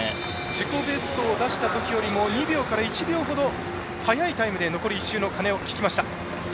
自己ベストを出したときよりも２秒から１秒ほど速いタイムで残り１周の鐘を聞きました。